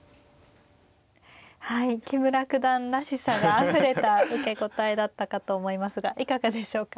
はい木村九段らしさがあふれた受け答えだったかと思いますがいかがでしょうか。